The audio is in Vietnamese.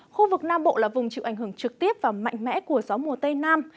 khu vực nam bộ là vùng chịu ảnh hưởng trực tiếp và mạnh mẽ của gió mùa tây nam